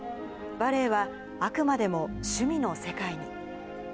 バレエはあくまでも趣味の世界に。